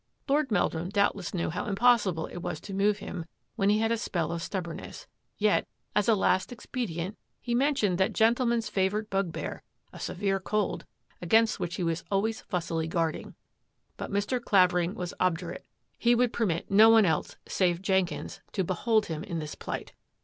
Lord Meldrum doubtless knew how impossible it was to move him when he had a spell of stubborn ness, yet, as a last expedient, he mentioned that gentleman's favourite bugbear — a severe cold — against which he was always fussily guarding. But Mr. Clavering was obdurate ; he would permit no one else save Jenkins to behold him in this plight.